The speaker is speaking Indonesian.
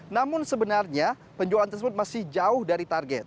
namun sebenarnya penjualan tersebut masih jauh dari target